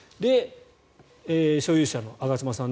所有者の我妻さん